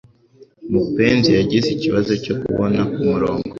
mupenzi yagize ikibazo cyo kubona kumurongo